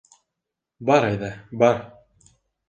Бар әйҙә, бар!